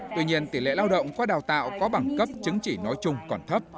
tuy nhiên tỷ lệ lao động qua đào tạo có bằng cấp chứng chỉ nói chung còn thấp